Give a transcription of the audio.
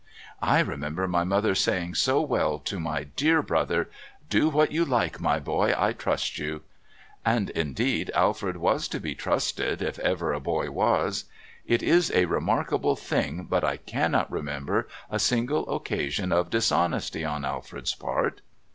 "I remember my mother saying so well to my dear brother: 'Do what you like, my boy. I trust you.' And indeed Alfred was to be trusted if ever a boy was. It is a remarkable thing, but I cannot remember a single occasion of dishonesty on Alfred's part.